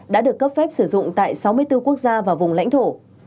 đã được cấp phép sử dụng tại sáu mươi bốn quốc gia và vùng lãnh thổ